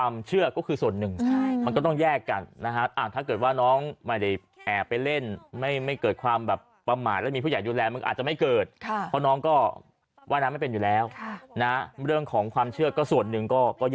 เรื่องความเชื่อก็คือส่วนหนึ่ง